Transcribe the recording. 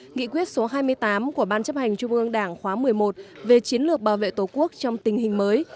nghị quyết số hai mươi tám của ban chấp hành trung ương đảng khóa một mươi một về chiến lược bảo vệ tổ quốc trong tình hình mới